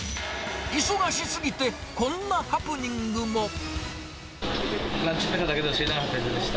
忙しすぎて、こんなハプニングも。